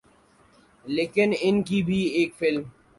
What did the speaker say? لیکن ان کی بھی ایک فلم